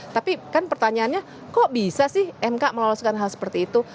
tapi kan pertanyaannya kok bisa sih mk meloloskan hal seperti itu